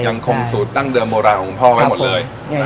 ยังคงสูตรดั้งเดิมโบราณของคุณพ่อไว้หมดเลย